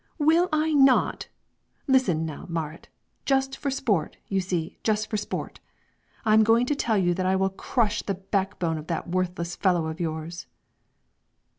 "Will I not? Listen now, Marit, just for sport, you see, just for sport. I am going to tell you that I will crush the backbone of that worthless fellow of yours."